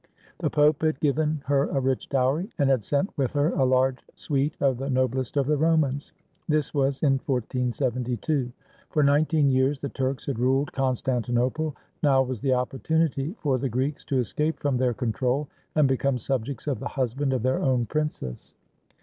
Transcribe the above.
The Pope had given her a rich dowry and had sent with her a large suite of the noblest of the Romans. This was in 1472. For nineteen years the Turks had ruled Constantinople. Now was the oppor tunity for the Greeks to escape from their control and become subjects of the husband of their own princess.